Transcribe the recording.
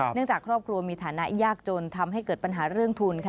จากครอบครัวมีฐานะยากจนทำให้เกิดปัญหาเรื่องทุนค่ะ